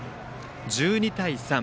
１２対３。